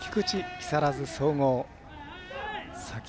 木更津総合。